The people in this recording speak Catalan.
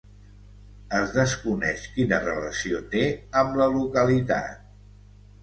Es desconeix quina relació té amb la localitat.